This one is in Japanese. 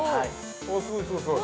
◆すごいすごい、すごい。